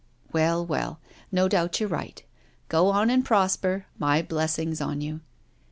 " Well, well, no doubt you're right — ^go on and prosper — ^my blessing on you."